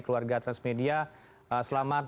keluarga transmedia selamat